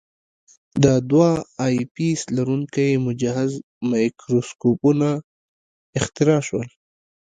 د دوه آی پیس لرونکي مجهز مایکروسکوپونه اختراع شول.